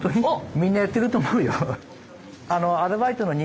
みんなやってると思うよ。